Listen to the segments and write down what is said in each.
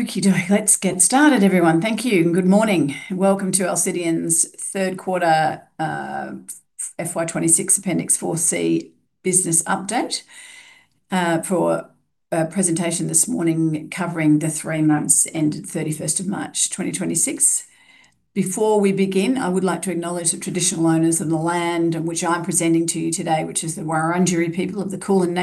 Okey-dokey. Let's get started everyone. Thank you. Good morning. Welcome to Alcidion's third quarter, FY 2026 Appendix 4C business update. For a presentation this morning covering the three months ending 31st of March, 2026. Before we begin, I would like to acknowledge the traditional owners of the land on which I'm presenting to you today, which is the Wurundjeri people of the Kulin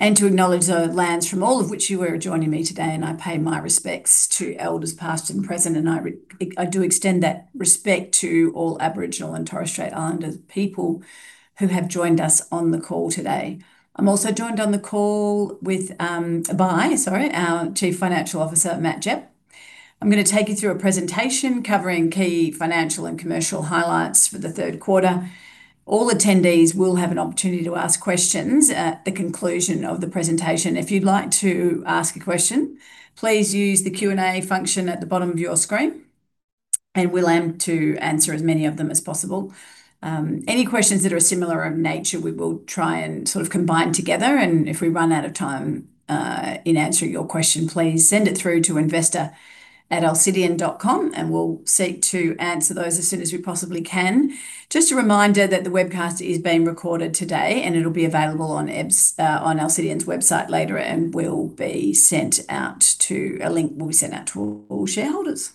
Nation. To acknowledge the lands from all of which you are joining me today, and I pay my respects to elders past and present, I do extend that respect to all Aboriginal and Torres Strait Islanders people who have joined us on the call today. I'm also joined on the call by our Chief Financial Officer, Matt Gepp. I'm gonna take you through a presentation covering key financial and commercial highlights for the third quarter. All attendees will have an opportunity to ask questions at the conclusion of the presentation. If you'd like to ask a question, please use the Q&A function at the bottom of your screen, and we'll aim to answer as many of them as possible. Any questions that are similar in nature, we will try and sort of combine together. If we run out of time, in answering your question, please send it through to investor@alcidion.com and we'll seek to answer those as soon as we possibly can. Just a reminder that the webcast is being recorded today, and it'll be available on web, on Alcidion's website later and will be sent out to, a link will be sent out to all shareholders.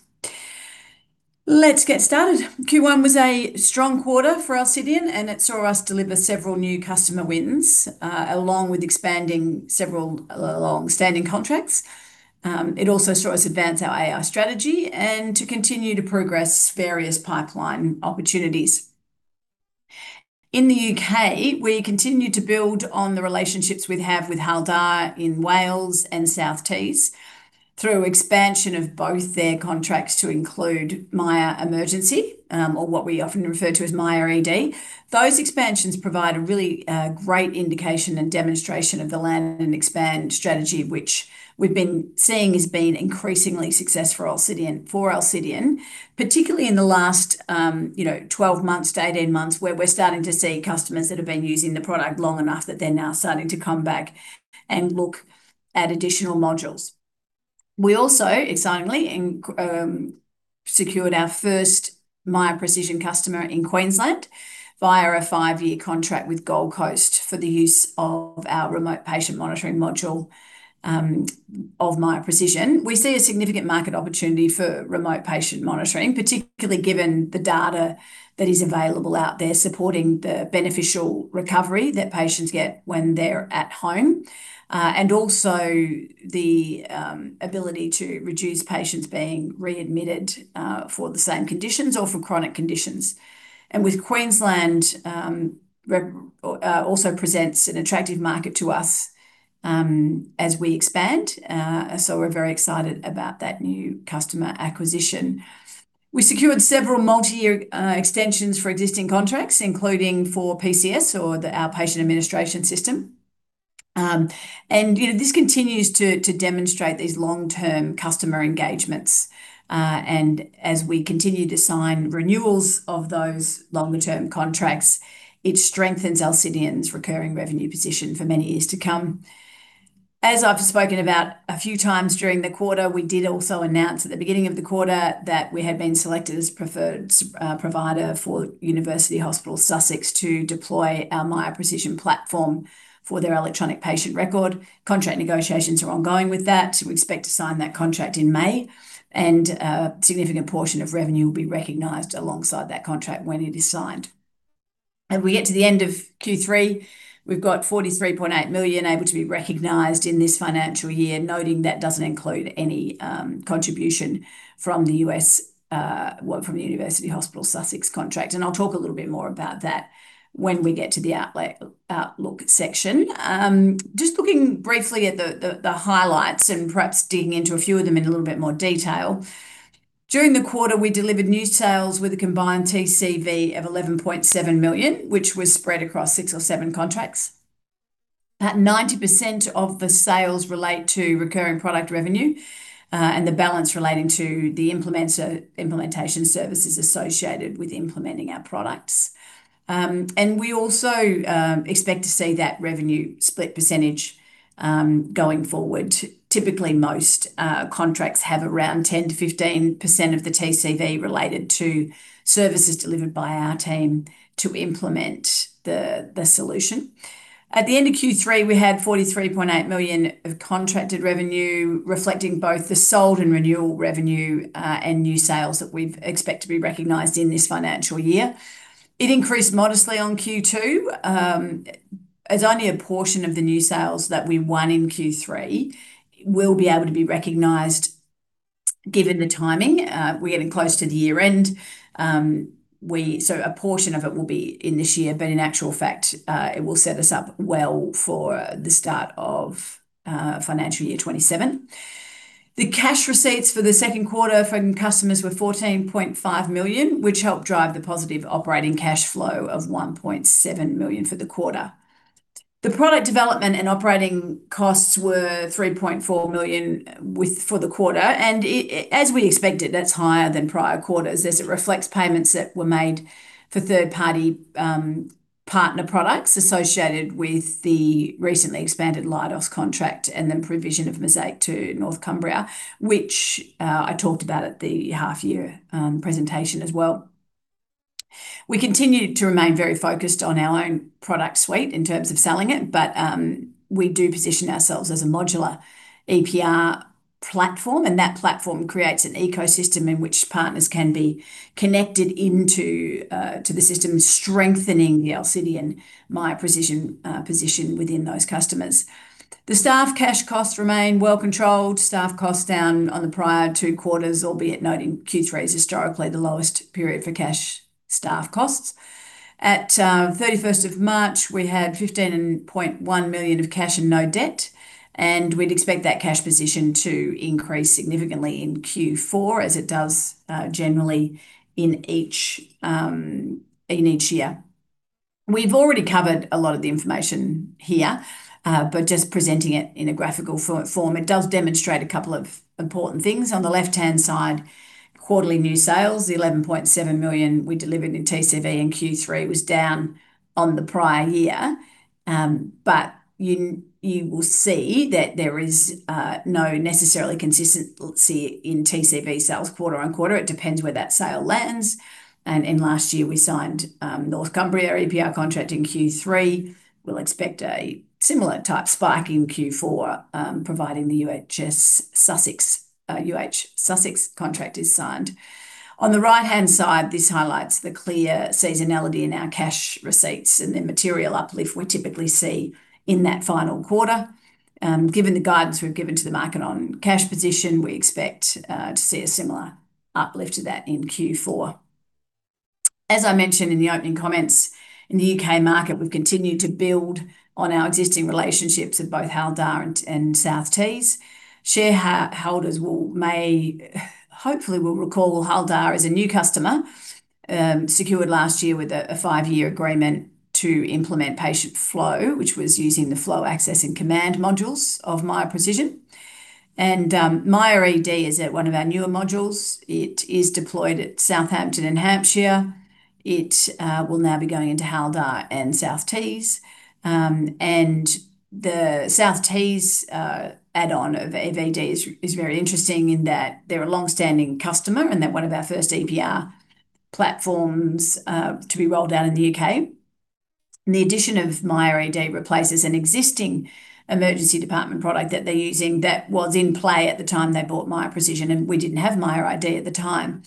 Let's get started. Q1 was a strong quarter for Alcidion, and it saw us deliver several new customer wins, along with expanding several longstanding contracts. It also saw us advance our AI strategy and to continue to progress various pipeline opportunities. In the U.K., we continued to build on the relationships we have with Hywel Dda in Wales and South Tees through expansion of both their contracts to include Miya Emergency, or what we often refer to as Miya ED. Those expansions provide a really great indication and demonstration of the land and expand strategy, which we've been seeing has been increasingly successful for Alcidion, particularly in the last, you know, 12 months to 18 months, where we're starting to see customers that have been using the product long enough that they're now starting to come back and look at additional modules. We also, excitingly, secured our first Miya Precision customer in Queensland via a five-year contract with Gold Coast for the use of our remote patient monitoring module of Miya Precision. We see a significant market opportunity for remote patient monitoring, particularly given the data that is available out there supporting the beneficial recovery that patients get when they're at home, also the ability to reduce patients being readmitted for the same conditions or for chronic conditions. With Queensland, also, presents an attractive market to us as we expand so we're very excited about that new customer acquisition. We secured several multi-year extensions for existing contracts, including for PCS or the outpatient administration system. You know, this continues to demonstrate these long-term customer engagements. As we continue to sign renewals of those longer term contracts, it strengthens Alcidion's recurring revenue position for many years to come. As I've spoken about a few times during the quarter, we did also announce at the beginning of the quarter that we had been selected as preferred provider for University Hospitals Sussex to deploy our Miya Precision platform for their electronic patient record. Contract negotiations are ongoing with that. We expect to sign that contract in May, and a significant portion of revenue will be recognized alongside that contract when it is signed. As we get to the end of Q3, we've got 43.8 million able to be recognized in this financial year. Noting that doesn't include any contribution from the U.S., well from the University Hospitals Sussex contract, and I'll talk a little bit more about that when we get to the outlook section. Just looking briefly at the highlights and perhaps digging into a few of them in a little bit more detail. During the quarter, we delivered new sales with a combined TCV of 11.7 million, which was spread across six or seven contracts. 90% of the sales relate to recurring product revenue and the balance relating to the implementation services associated with implementing our products. We also expect to see that revenue split percentage going forward. Typically, most contracts have around 10%-15% of the TCV related to services delivered by our team to implement the solution. At the end of Q3, we had 43.8 million of contracted revenue, reflecting both the sold and renewal revenue, and new sales that we've, expect to be recognized in this financial year. It increased modestly on Q2. As only a portion of the new sales that we won in Q3 will be able to be recognized given the timing. We're getting close to the year-end. A portion of it will be in this year, but in actual fact, it will set us up well for the start of financial year 2027. The cash receipts for the second quarter from customers were 14.5 million, which helped drive the positive operating cash flow of 1.7 million for the quarter. The product development and operating costs were 3.4 million with, for the quarter, and it, as we expected, that's higher than prior quarters as it reflects payments that were made for third party partner products associated with the recently expanded Leidos contract and then provision of Mizaic to North Cumbria, which I talked about at the half year presentation as well. We continue to remain very focused on our own product suite in terms of selling it, but we do position ourselves as a modular EPR platform, and that platform creates an ecosystem in which partners can be connected into to the system, strengthening the Alcidion Miya Precision position within those customers. The staff cash costs remain well controlled. Staff costs down on the prior two quarters, albeit noting Q3 is historically the lowest period for cash staff costs. At the 31st of March, we had 15.1 million of cash and no debt. We'd expect that cash position to increase significantly in Q4 as it does generally in each year. We've already covered a lot of the information here, just presenting it in a graphical form. It does demonstrate a couple of important things. On the left-hand side, quarterly new sales, the 11.7 million we delivered in TCV in Q3 it was down on the prior year. You will see that there is no necessarily consistency in TCV sales quarter on quarter. It depends where that sale lands. In last year, we signed North Cumbria EPR contract in Q3. We'll expect a similar type spike in Q4, providing the UHSussex contract is signed. On the right-hand side, this highlights the clear seasonality in our cash receipts and the material uplift we typically see in that final quarter. Given the guidance we've given to the market on cash position, we expect to see a similar uplift to that in Q4. As I mentioned in the opening comments, in the U.K. market, we've continued to build on our existing relationships with both Hywel Dda and South Tees. Shareholders may, hopefully will recall Hywel Dda as a new customer, secured last year with a five-year agreement to implement patient flow, which was using the Flow, Access, and Command modules of Miya Precision. Miya ED is one of our newer modules. It is deployed at Southampton and Hampshire. It will now be going into Hywel Dda and South Tees. The South Tees add-on of ED is very interesting in that they're a long-standing customer and they're one of our first EPR platforms to be rolled out in the U.K. The addition of Miya ED replaces an existing emergency department product that they're using that was in play at the time they bought Miya Precision, and we didn't have Miya ED at the time.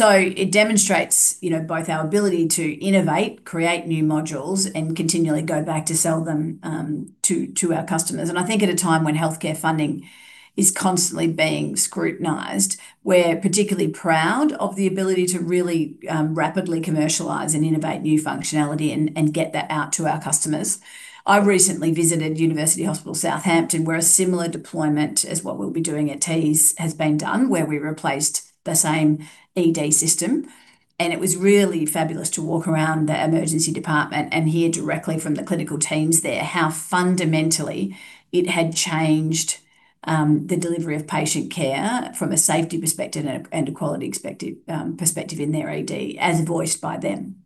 It demonstrates, you know, both our ability to innovate, create new modules, and continually go back to sell them to our customers. I think at a time when healthcare funding is constantly being scrutinized, we're particularly proud of the ability to really rapidly commercialize and innovate new functionality and get that out to our customers. I recently visited University Hospital Southampton, where a similar deployment as what we'll be doing at Tees has been done, where we replaced the same ED system. It was really fabulous to walk around the emergency department and hear directly from the clinical teams there how fundamentally it had changed the delivery of patient care from a safety perspective and a quality perspective in their ED as voiced by them.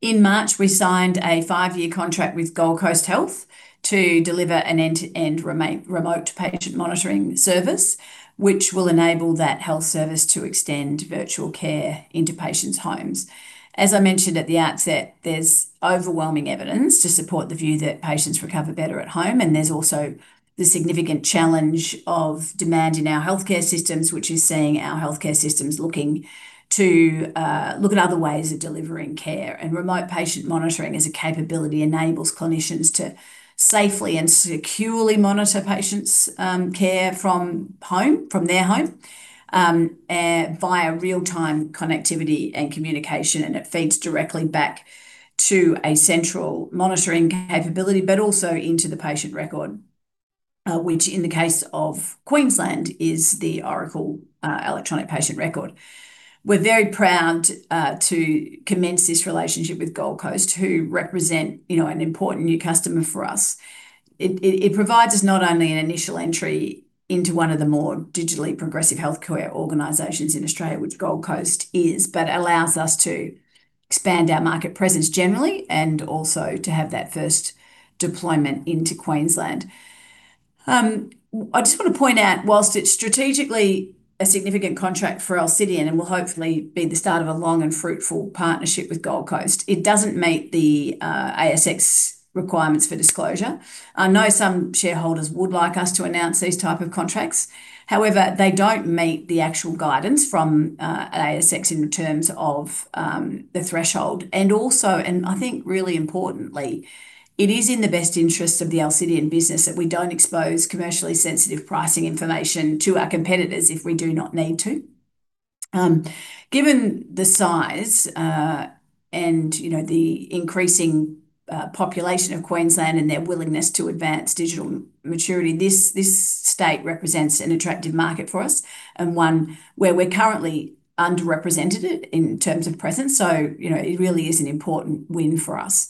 In March, we signed a five-year contract with Gold Coast Health to deliver an end-to-end remote patient monitoring service, which will enable that health service to extend virtual care into patients' homes. As I mentioned at the outset, there's overwhelming evidence to support the view that patients recover better at home, and there's also the significant challenge of demand in our healthcare systems, which is seeing our healthcare systems looking to look at other ways of delivering care. Remote patient monitoring as a capability enables clinicians to safely and securely monitor patients' care from their home via real-time connectivity and communication, and it feeds directly back to a central monitoring capability, but also into the patient record, which in the case of Queensland is the Oracle Electronic Patient Record. We're very proud to commence this relationship with Gold Coast, who represent, you know, an important new customer for us. It provides us not only an initial entry into one of the more digitally progressive healthcare organizations in Australia, which Gold Coast is, but allows us to expand our market presence generally and also to have that first deployment into Queensland. I just wanna point out, whilst it's strategically a significant contract for Alcidion, and will hopefully be the start of a long and fruitful partnership with Gold Coast, it doesn't meet the ASX requirements for disclosure. I know some shareholders would like us to announce these type of contracts. However, they don't meet the actual guidance from ASX in terms of the threshold. I think really importantly, it is in the best interest of the Alcidion business that we don't expose commercially sensitive pricing information to our competitors if we do not need to. Given the size, and, you know, the increasing population of Queensland and their willingness to advance digital maturity, this state represents an attractive market for us and one where we're currently underrepresented in terms of presence. You know, it really is an important win for us.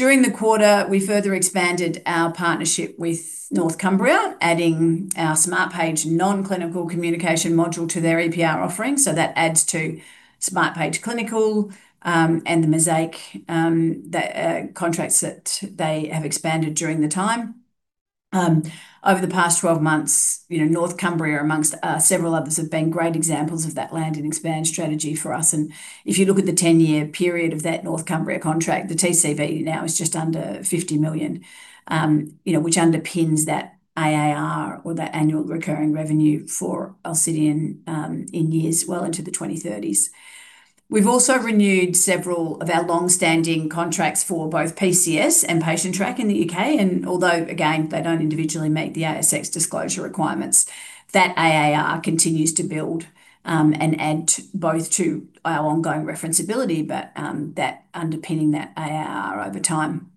During the quarter, we further expanded our partnership with North Cumbria, adding our Smartpage non-clinical communication module to their EPR offering. That adds to Smartpage clinical, and the Mizaic, the contracts that they have expanded during the time. Over the past 12 months, you know, North Cumbria amongst several others have been great examples of that land and expand strategy for us. If you look at the 10-year period of that North Cumbria contract, the TCV now is just under 50 million. You know, which underpins that ARR or that annual recurring revenue for Alcidion, in years well into the 2030s. We've also renewed several of our long-standing contracts for both PCS and Patientrack in the U.K., although, again, they don't individually meet the ASX disclosure requirements, that ARR continues to build, and add both to our ongoing referenceability but, that underpinning that ARR over time.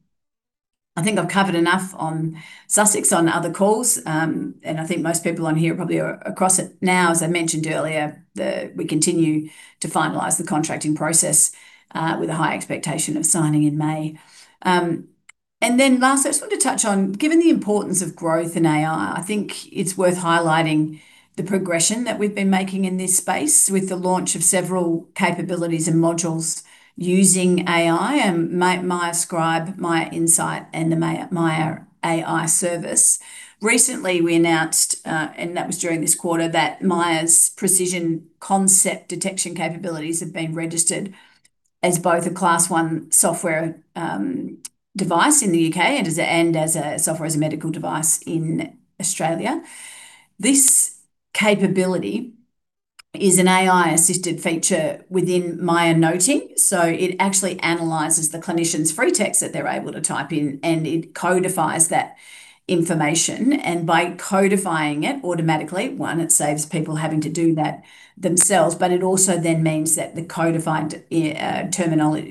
I think I've covered enough on Sussex on other calls. I think most people on here probably are across it now. As I mentioned earlier, we continue to finalize the contracting process with a high expectation of signing in May. Lastly, I just wanted to touch on, given the importance of growth in AI, I think it's worth highlighting the progression that we've been making in this space with the launch of several capabilities and modules using AI, Miya Scribe, Miya Insight, and the Miya AI service. Recently, we announced, and that was during this quarter, that Miya Precision Concept Detection capabilities have been registered as both a Class I software device in the U.K. and as a Software as a Medical Device in Australia. This capability is an AI-assisted feature within Miya Noting. It actually analyzes the clinician's free text that they're able to type in, and it codifies that information. By codifying it automatically, one, it saves people having to do that themselves, but it also then means that the codified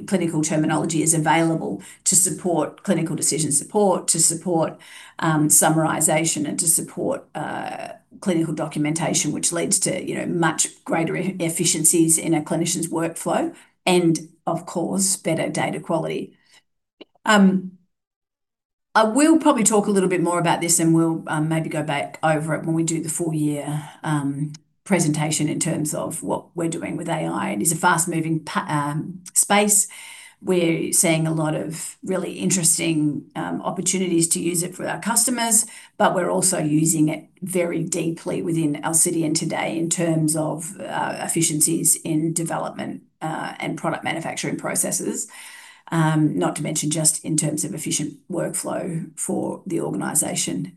clinical terminology is available to support clinical decision support, to support summarization, and to support clinical documentation, which leads to, you know, much greater efficiencies in a clinician's workflow and, of course, better data quality. I will probably talk a little bit more about this, and we'll maybe go back over it when we do the full-year presentation in terms of what we're doing with AI. It is a fast-moving space. We're seeing a lot of really interesting opportunities to use it for our customers, but we're also using it very deeply within Alcidion today in terms of efficiencies in development and product manufacturing processes. Not to mention just in terms of efficient workflow for the organization.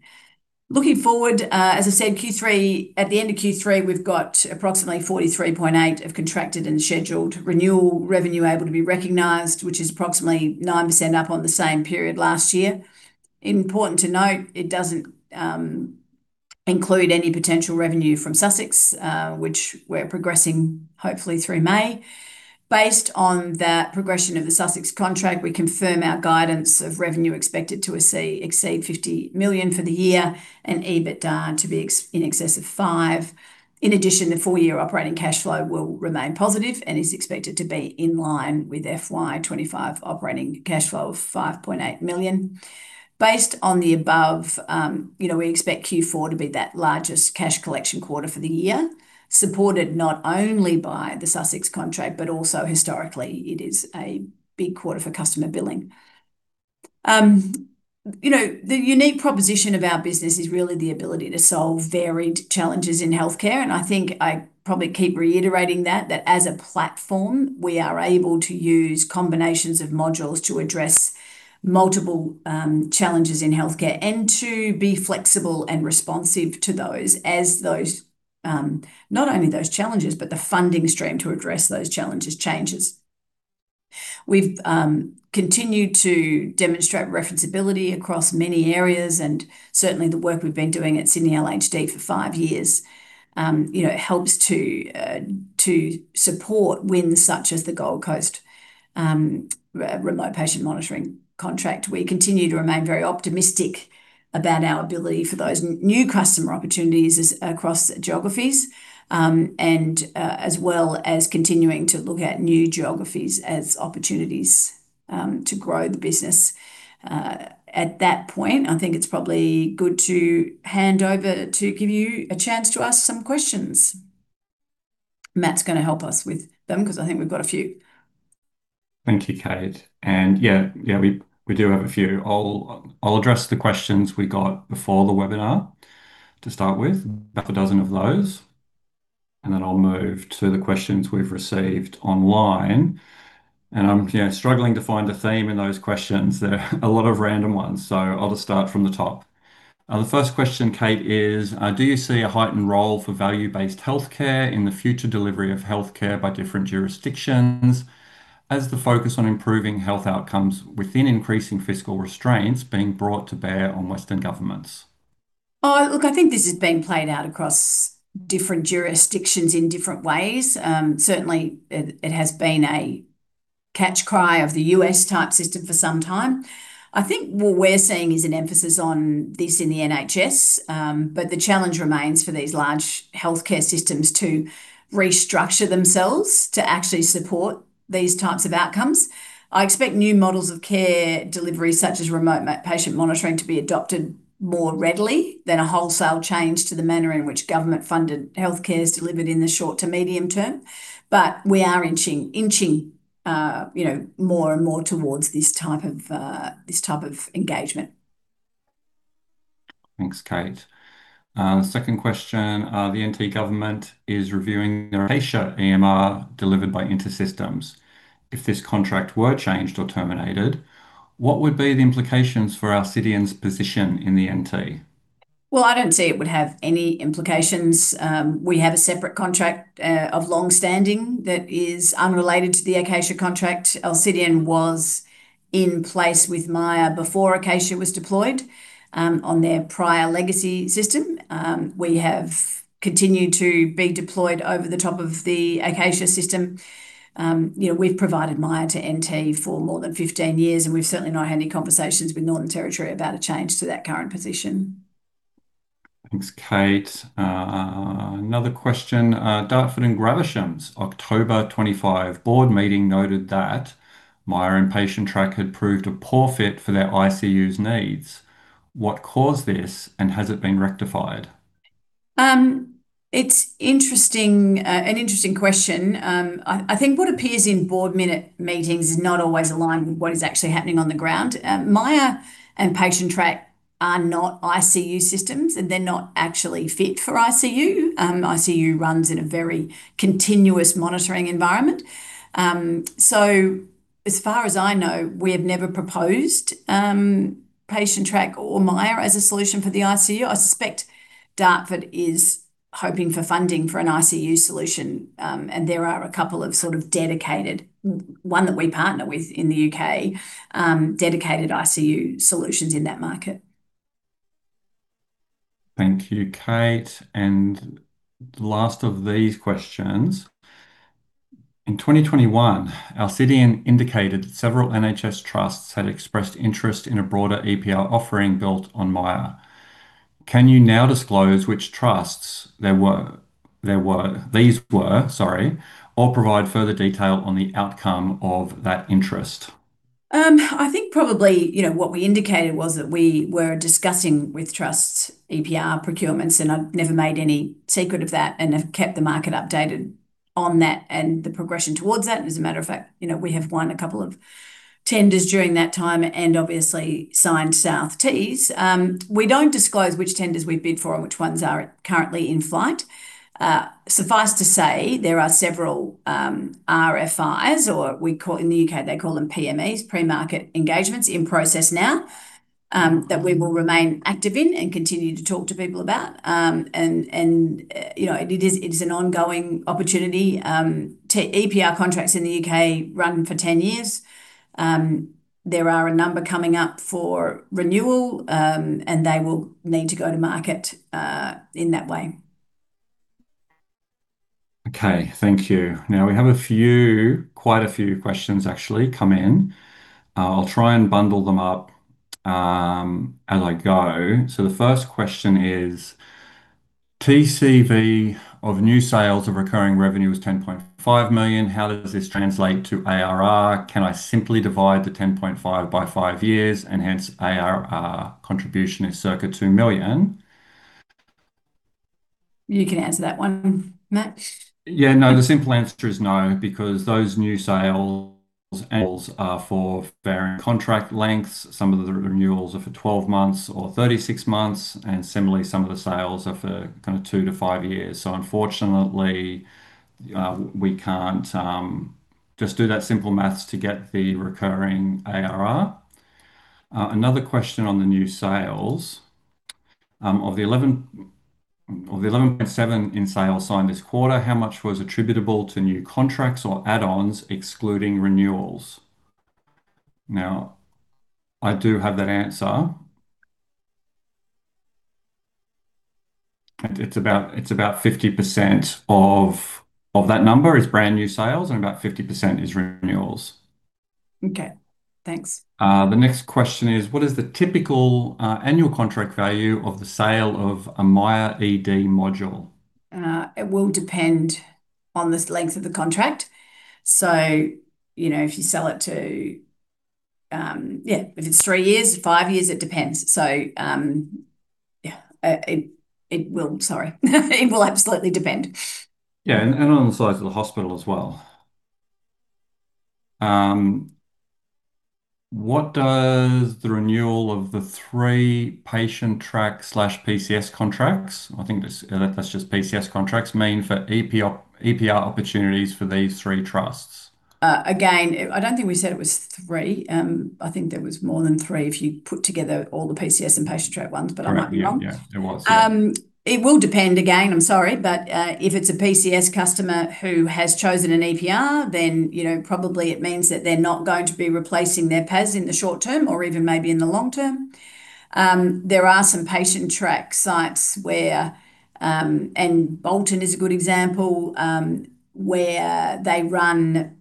Looking forward, as I said, Q3, at the end of Q3, we've got approximately 43.8 million of contracted and scheduled renewal revenue able to be recognized, which is approximately 9% up on the same period last year. Important to note, it doesn't include any potential revenue from Sussex, which we're progressing hopefully through May. Based on that progression of the Sussex contract, we confirm our guidance of revenue expected to exceed 50 million for the year and EBITDA to be in excess of 5 million. In addition, the four-year operating cash flow will remain positive and is expected to be in line with FY 2025 operating cash flow of 5.8 million. Based on the above, you know, we expect Q4 to be that largest cash collection quarter for the year, supported not only by the Sussex contract but also historically it is a big quarter for customer billing. You know, the unique proposition of our business is really the ability to solve varied challenges in healthcare. I think I probably keep reiterating that as a platform, we are able to use combinations of modules to address multiple challenges in healthcare and to be flexible and responsive to those as those not only those challenges but the funding stream to address those challenges changes. We've continued to demonstrate referenceability across many areas. Certainly, the work we've been doing at Sydney LHD for five years, you know, helps to support wins such as the Gold Coast remote patient monitoring contract. We continue to remain very optimistic about our ability for those new customer opportunities as, across geographies, as well as continuing to look at new geographies as opportunities to grow the business. At that point, I think it's probably good to hand over to give you a chance to ask some questions. Matt's gonna help us with them 'cause I think we've got a few. Thank you, Kate. Yeah, yeah, we do have a few. I'll address the questions we got before the webinar to start with. About 12 of those. Then I'll move to the questions we've received online. I'm, you know, struggling to find a theme in those questions. There are a lot of random ones, so I'll just start from the top. The first question, Kate, is, do you see a heightened role for value-based healthcare in the future delivery of healthcare by different jurisdictions as the focus on improving health outcomes within increasing fiscal restraints being brought to bear on Western governments? Oh, look, I think this is being played out across different jurisdictions in different ways. Certainly, it has been a catchcry of the U.S.-type system for some time. I think what we're seeing is an emphasis on this in the NHS. The challenge remains for these large healthcare systems to restructure themselves to actually support these types of outcomes. I expect new models of care delivery, such as remote patient monitoring, to be adopted more readily than a wholesale change to the manner in which government-funded healthcare is delivered in the short to medium term. We are inching, you know, more and more towards this type of this type of engagement. Thanks, Kate. Second question. The NT Government is reviewing their Acacia EMR delivered by InterSystems. If this contract were changed or terminated, what would be the implications for Alcidion's position in the NT? Well, I don't see it would have any implications. We have a separate contract of long-standing that is unrelated to the Acacia contract. Alcidion was in place with Miya before Acacia was deployed on their prior legacy system. We have continued to be deployed over the top of the Acacia system. You know, we've provided Miya to NT for more than 15 years, and we've certainly not had any conversations with Northern Territory about a change to that current position. Thanks, Kate. Another question. Dartford and Gravesham's October 2025 board meeting noted that Miya and Patientrack had proved a poor fit for their ICU's needs. What caused this, and has it been rectified? It's an interesting question. I think what appears in board minute meetings is not always aligned with what is actually happening on the ground. Miya and Patientrack are not ICU systems. They're not actually fit for ICU. ICU runs in a very continuous monitoring environment. As far as I know, we have never proposed Patientrack or Miya as a solution for the ICU. I suspect Dartford is hoping for funding for an ICU solution. There are a couple of sort of dedicated, one that we partner with in the U.K., dedicated ICU solutions in that market. Thank you, Kate. Last of these questions. In 2021, Alcidion indicated several NHS trusts had expressed interest in a broader EPR offering built on Miya. Can you now disclose which trusts these were, sorry, or provide further detail on the outcome of that interest? I think probably, you know, what we indicated was that we were discussing with trusts EPR procurements, I've never made any secret of that, have kept the market updated on that and the progression towards that. As a matter of fact, you know, we have won a couple of tenders during that time, obviously signed South Tees. We don't disclose which tenders we've bid for and which ones are currently in flight. Suffice to say, there are several RFIs, or we call it, in the U.K. they call them PMEs, pre-market engagements, in process now that we will remain active in and continue to talk to people about. You know, it is an ongoing opportunity. EPR contracts in the U.K. run for 10 years. There are a number coming up for renewal, and they will need to go to market in that way. Okay, thank you. We have a few, quite a few questions actually come in. I'll try and bundle them up as I go. The first question is, TCV of new sales of recurring revenue is 10.5 million. How does this translate to ARR? Can I simply divide the 10.5 million by five years, hence ARR contribution is circa 2 million? You can answer that one, Matt. Yeah, no, the simple answer is no, because those new sales and renewals are for varying contract lengths. Some of the renewals are for 12 months or 36 months, and similarly, some of the sales are for 2-5 years. Unfortunately, we can't just do that simple math to get the recurring ARR. Another question on the new sales. Of the 11.7 million in sales signed this quarter, how much was attributable to new contracts or add-ons excluding renewals? Now, I do have that answer. It's about 50% of that number is brand new sales, and about 50% is renewals. Okay, thanks. The next question is, what is the typical annual contract value of the sale of a Miya ED module? It will depend on the length of the contract. You know, if you sell it to, yeah, if it's three years, five years, it depends. Yeah, it will, sorry. It will absolutely depend. Yeah, and on the size of the hospital as well. What does the renewal of the three Patientrack/PCS contracts, I think this, that's just PCS contracts, mean for EPR opportunities for these three trusts? Again, I don't think we said it was three. I think there was more than three if you put together all the PCS and Patientrack ones, but I might be wrong. Correct. Yeah. Yeah. There was. It will depend, again, I'm sorry. If it's a PCS customer who has chosen an EPR, you know, probably it means that they're not going to be replacing their PAS in the short term or even maybe in the long term. There are some Patientrack sites where Bolton is a good example, where they run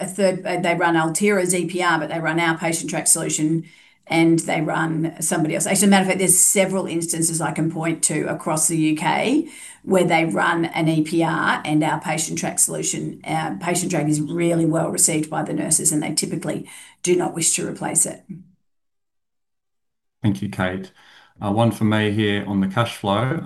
Altera's EPR, but they run our Patientrack solution, and they run somebody else. As a matter of fact, there's several instances I can point to across the U.K. where they run an EPR and our Patientrack solution. Our Patientrack is really well received by the nurses, they typically do not wish to replace it. Thank you, Kate. One for me here on the cash flow.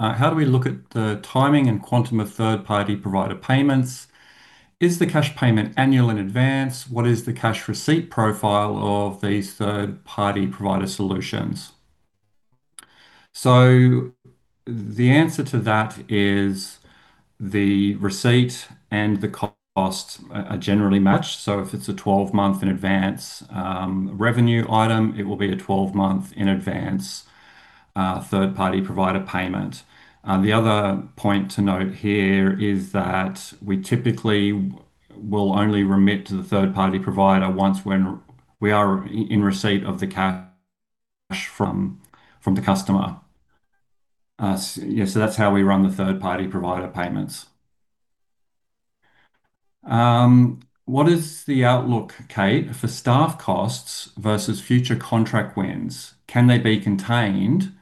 Is the cash payment annual in advance? What is the cash receipt profile of these third party provider solutions? The answer to that is the receipt and the cost are generally matched. If it's a 12-month in advance revenue item, it will be a 12-month in advance third party provider payment. The other point to note here is that we typically will only remit to the third party provider once when we are in receipt of the cash from the customer. Yeah, that's how we run the third party provider payments. What is the outlook, Kate, for staff costs versus future contract wins? Can they be contained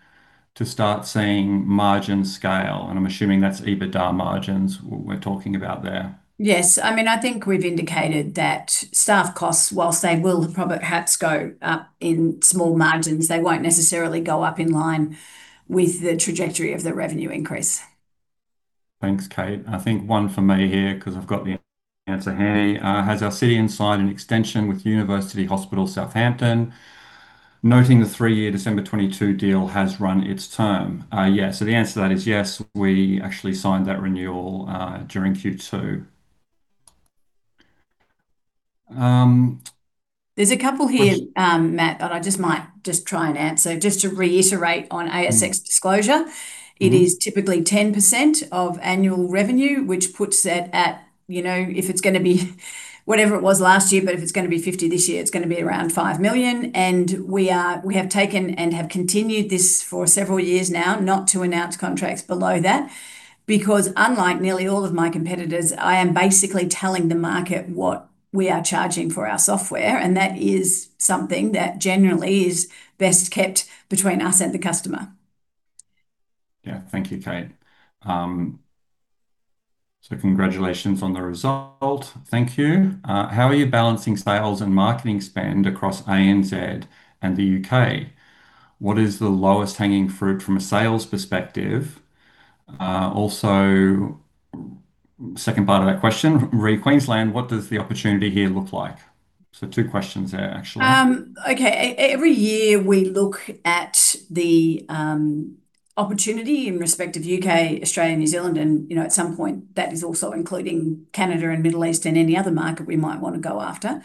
to start seeing margin scale? I'm assuming that's EBITDA margins we're talking about there. Yes. I mean, I think we've indicated that staff costs, whilst they will probably perhaps go up in small margins, they won't necessarily go up in line with the trajectory of the revenue increase. Thanks, Kate. I think one for me here 'cause I've got the answer handy. Has Alcidion signed an extension with University Hospital Southampton, noting the three-year December 2022 deal has run its term? Yeah, the answer to that is yes. We actually signed that renewal during Q2. There's a couple here. Questions Matt, that I just might try and answer. Just to reiterate on ASX disclosure. Mm-hmm. It is typically 10% of annual revenue, which puts it at, you know, if it's gonna be whatever it was last year, but if it's gonna be 50 million this year, it's gonna be around 5 million. We are, we have taken and have continued this for several years now not to announce contracts below that. Because unlike nearly all of my competitors, I am basically telling the market what we are charging for our software, and that is something that generally is best kept between us and the customer. Yeah. Thank you, Kate. Congratulations on the result. Thank you. How are you balancing sales and marketing spend across ANZ and the U.K.? What is the lowest hanging fruit from a sales perspective? Also, second part of that question, re Queensland, what does the opportunity here look like? Two questions there, actually. Every year we look at the opportunity in respect of U.K., Australia, New Zealand, and, you know, at some point that is also including Canada and Middle East and any other market we might want to go after,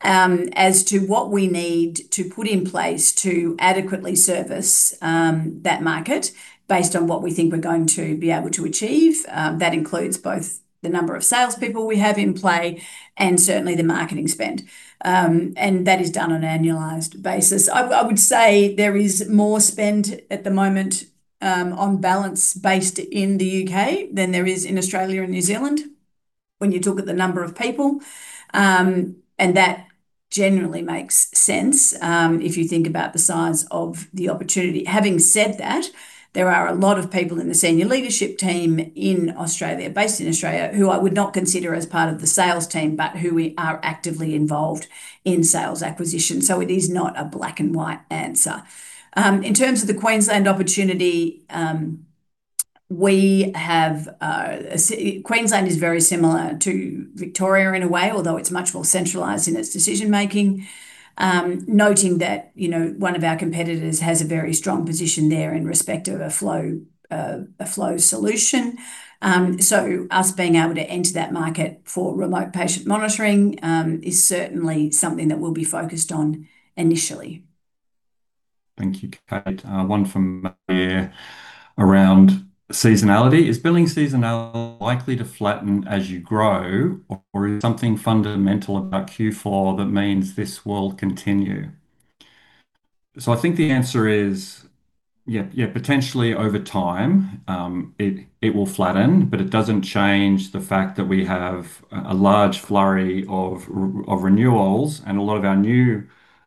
as to what we need to put in place to adequately service that market based on what we think we're going to be able to achieve. That includes both the number of salespeople we have in play and certainly the marketing spend. That is done on an annualized basis. I would say there is more spend at the moment, on balance based in the U.K. than there is in Australia and New Zealand when you look at the number of people. That generally makes sense if you think about the size of the opportunity. Having said that, there are a lot of people in the senior leadership team in Australia, based in Australia, who I would not consider as part of the sales team, but who we are actively involved in sales acquisition. It is not a black and white answer. In terms of the Queensland opportunity, we have, Queensland is very similar to Victoria in a way, although it's much more centralized in its decision-making. Noting that, you know, one of our competitors has a very strong position there in respect of a flow, a flow solution. Us being able to enter that market for remote patient monitoring is certainly something that we'll be focused on initially. Thank you, Kate. One from here around seasonality. Is billing seasonality likely to flatten as you grow, or is something fundamental about Q4 that means this will continue? I think the answer is yeah, potentially over time, it will flatten, but it doesn't change the fact that we have a large flurry of renewals and a lot of our new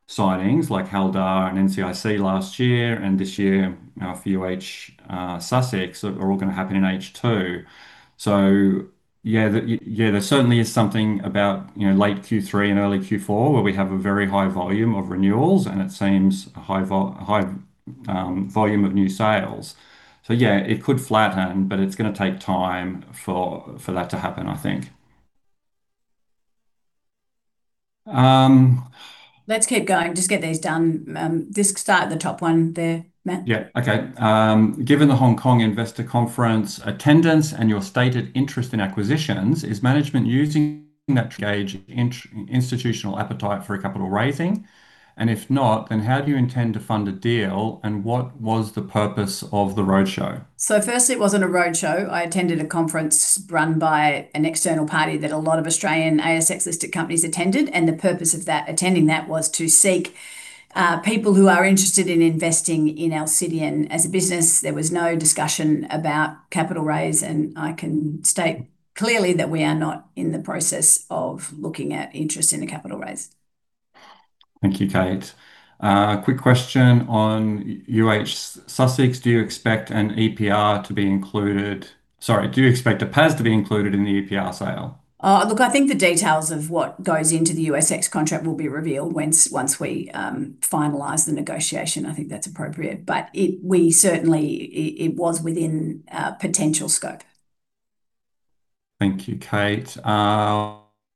signings, like Hywel Dda and NCIC last year, and this year our UHSussex are all going to happen in H2. Yeah, there certainly is something about, you know, late Q3 and early Q4 where we have a very high volume of renewals and it seems a high volume of new sales. Yeah, it could flatten, but it's going to take time for that to happen, I think. Let's keep going. Just get these done. Just start at the top one there, Matt. Yeah. Okay. Given the Hong Kong investor conference attendance and your stated interest in acquisitions, is management using that to gauge institutional appetite for a capital raising? If not, how do you intend to fund a deal, and what was the purpose of the roadshow? Firstly, it wasn't a roadshow. I attended a conference run by an external party that a lot of Australian ASX-listed companies attended, and the purpose of that, attending that was to seek people who are interested in investing in Alcidion as a business. There was no discussion about capital raise, and I can state clearly that we are not in the process of looking at interest in a capital raise. Thank you, Kate. Quick question on UHSussex. Do you expect an EPR to be included? Sorry, do you expect a PAS to be included in the EPR sale? Look, I think the details of what goes into the ASX contract will be revealed once we finalize the negotiation. I think that's appropriate. We certainly, it was within our potential scope. Thank you, Kate.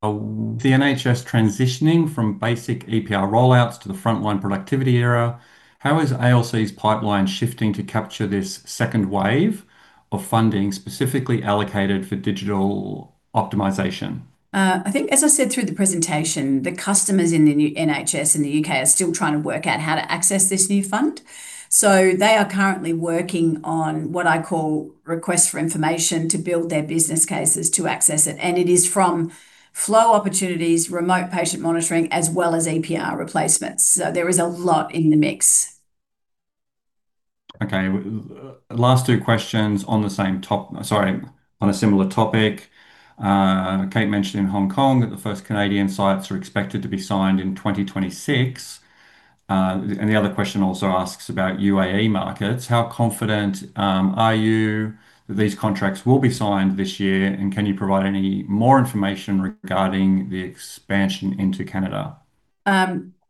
The NHS transitioning from basic EPR rollouts to the frontline productivity era, how is ALC's pipeline shifting to capture this second wave of funding specifically allocated for digital optimization? I think as I said through the presentation, the customers in the NHS in the U.K. are still trying to work out how to access this new fund. They are currently working on what I call request for information to build their business cases to access it, and it is from flow opportunities, remote patient monitoring, as well as EPR replacements. There is a lot in the mix. Okay. Last two questions on a similar topic. Kate mentioned in Hong Kong that the first Canadian sites are expected to be signed in 2026. The other question also asks about UAE markets. How confident are you that these contracts will be signed this year, and can you provide any more information regarding the expansion into Canada?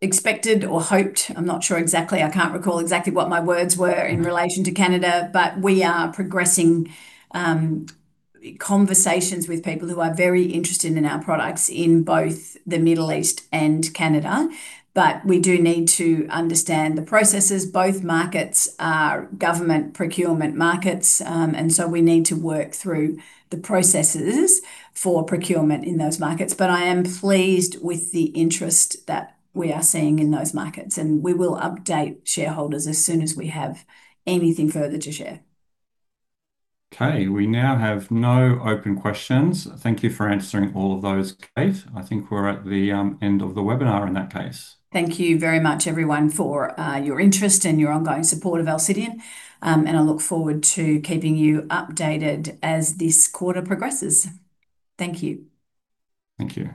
Expected or hoped, I'm not sure exactly. I can't recall exactly what my words were in relation to Canada. We are progressing conversations with people who are very interested in our products in both the Middle East and Canada. We do need to understand the processes. Both markets are government procurement markets, and so we need to work through the processes for procurement in those markets. I am pleased with the interest that we are seeing in those markets, and we will update shareholders as soon as we have anything further to share. Okay. We now have no open questions. Thank you for answering all of those, Kate. I think we're at the end of the webinar in that case. Thank you very much everyone for your interest and your ongoing support of Alcidion. I look forward to keeping you updated as this quarter progresses. Thank you. Thank you.